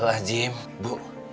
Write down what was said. ada apa bu